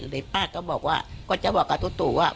เลยป้าก็บอกว่าก็จะบอกกับตู้ตู้ว่า